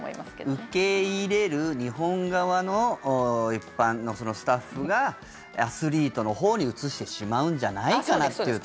受け入れる日本側の一般のスタッフがアスリートのほうにうつしてしまうんじゃないかなっていう対策ですね。